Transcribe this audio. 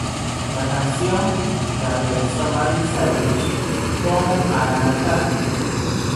La canción la realizó Miley Cyrus como Hannah Montana.